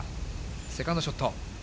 セカンドショット。